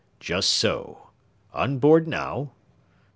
"Just so! ... On board now?"